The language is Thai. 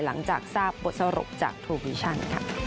หลังจากทราบบทสรุปจากทูปิชัน